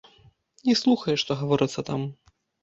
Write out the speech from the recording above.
Не слухае, што гаворыцца там.